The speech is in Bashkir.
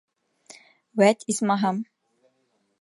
Вәт, исмаһам!